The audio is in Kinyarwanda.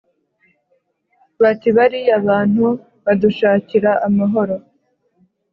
bati bariya bantu badushakira amahoro